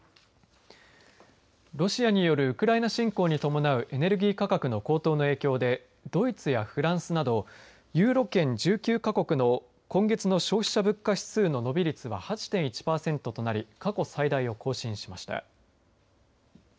ロシアによるウクライナ侵攻に伴うエネルギー価格の高騰の影響でドイツやフランスなどユーロ圏、１９か国の今月の消費者物価指数の伸び率は８．１パーセントとなり過去最大を更新しました。